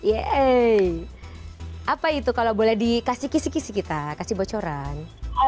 yeay apa itu kalau boleh dikasih kisi kisi kita kasih bocoran